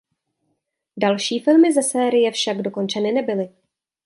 Další filmy ze série však dokončeny nebyly.